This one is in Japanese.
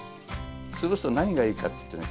潰すと何がいいかっていうとね